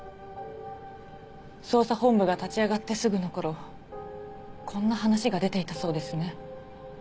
捜査本部が立ち上がってすぐの頃こんな話が出ていたそうですね。